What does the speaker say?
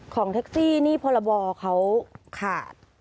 ของแท็กซี่นี่พรบเขาขาด